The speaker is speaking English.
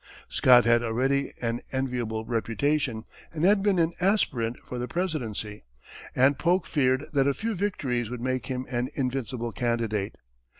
Scott had already an enviable reputation, and had been an aspirant for the presidency, and Polk feared that a few victories would make him an invincible candidate.